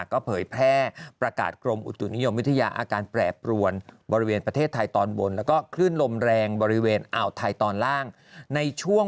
ก็เผยแพร่ประกาศกรมอุตุนิยมวิทยา